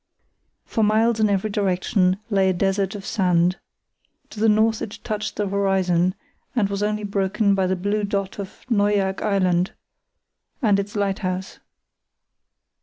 For miles in every direction lay a desert of sand. To the north it touched the horizon, and was only broken by the blue dot of Neuerk Island and its lighthouse.